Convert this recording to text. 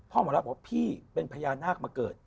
หมอรักบอกว่าพี่เป็นพญานาคมาเกิด